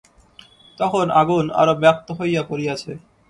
তখন আগুন আরাে ব্যাপ্ত হইয়া পড়িয়াছে।